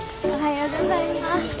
おはようございます。